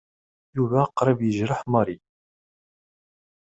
Yuba qrib yejreḥ Mary.